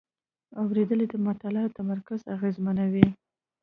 اورېدل د مطالعې تمرکز اغېزمنوي.